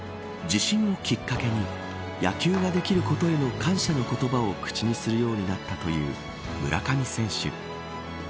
地震をきっかけに野球ができることへの感謝の言葉を口にするようになったという村上選手。